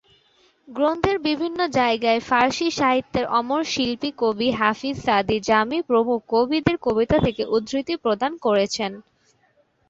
গ্রন্থের বিভিন্ন জায়গায় ফারসি সাহিত্যের অমর শিল্পী কবি হাফিজ, সাদি, জামি প্রমুখ কবিদের কবিতা থেকে উদ্ধৃতি প্রদান করেছেন।